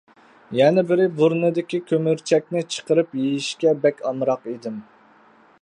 يەنە بىرى بۇرنىدىكى كۆمۈرچىكىنى چىقىرىپ يېيىشكە بەك ئامراق ئىدىم.